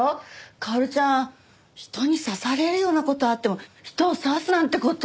薫ちゃん人に刺されるような事あっても人を刺すなんて事は。